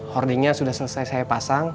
hoardingnya sudah selesai saya pasang